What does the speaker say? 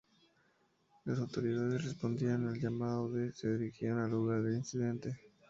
Las autoridades respondieron al llamado y se dirigieron al lugar del incidente.